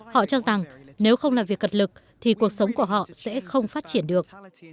họ cho rằng nếu không làm việc cật lực thì cuộc sống của họ sẽ không phát triển được